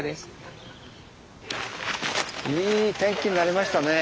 いい天気になりましたね。